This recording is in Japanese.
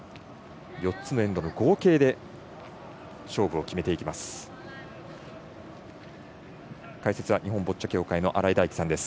４つのエンドの合計で勝負を決めていきます。